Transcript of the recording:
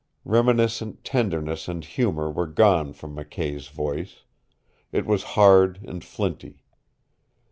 Reminiscent tenderness and humor were gone from McKay's voice. It was hard and flinty.